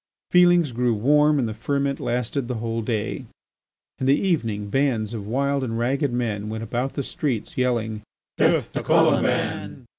Feelings grew warm and the ferment lasted the whole day. In the evening bands of wild and ragged men went about the streets yelling: "Death to Colomban!"